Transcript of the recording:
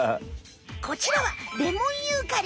こちらはレモンユーカリ。